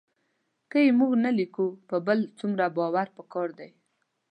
که یې موږ نه لیکو په بل څومره باور پکار دی